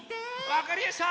わかりやした！